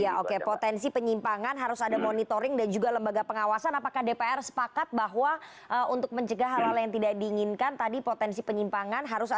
ya oke potensi penyimpangan harus ada monitoring dan juga lembaga pengawasan apakah dpr sepakat bahwa untuk mencegah hal hal yang tidak diinginkan tadi potensi penyimpangan harus ada